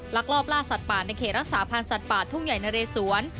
ลักลอบล่าสัตว์ป่าในเขตรักษาพันธ์สัตว์ป่าทุ่งใหญ่นะเรสวน